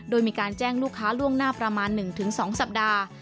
โดยมีการแจ้งลูกค้าล่วงหน้าประมาณ๑๒สัปดาห์